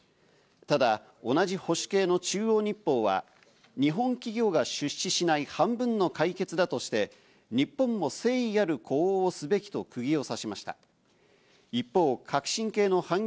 ただ同じ保守系の中央日報は日本企業が出資しない半分の解決だとして、「日本も誠意ある呼応をすべき」と釘を刺しました。